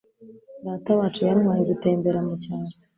Datawacu yantwaye gutembera mu cyaro.